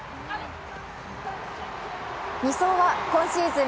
２走は今シーズン